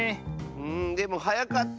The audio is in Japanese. うんでもはやかった。